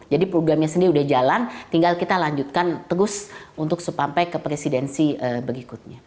jadi programnya sendiri udah jalan tinggal kita lanjutkan terus untuk sampai ke presidensi berikutnya